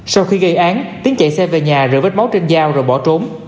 sau khi gây án tiến chạy xe về nhà rồi vết máu trên dao rồi bỏ trốn